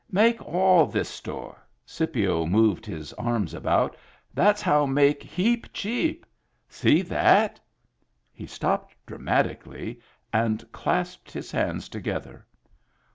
Make all this store" — Scipio moved his arms about —" that's how make heap cheap. See that!" He stopped dramatically, and clasped his hands together.